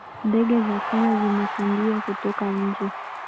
Ndege za kenya zimefungiwa kutoka nje